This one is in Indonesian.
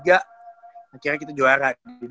akhirnya kita juara di dua ribu sembilan